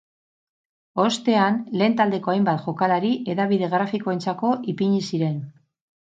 Ostean lehen taldeko hainbat jokalari hedabide grafikoentzako ipini ziren.